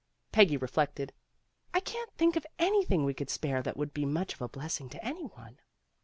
Peggy reflected. "I can't think of anything we could spare that would be much of a bless ing to any one."